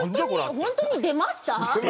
本当に出ました。